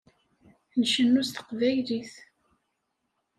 Ncennu s teqbaylit.